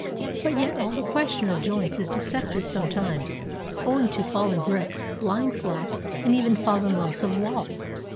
But yet all the question of joints is deceptive sometimes, owing to fallen bricks lying flat, and even fallen lumps of wall.